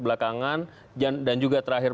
belakangan dan juga terakhir